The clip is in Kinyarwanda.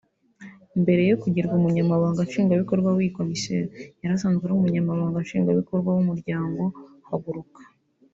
Mbere yo kugirwa Umunyamabanga Nshingwabikorwa w’iyi komisiyo yari asanzwe ari Umunyamabanga Nshingwabikorwa w’Umuryango Haguruka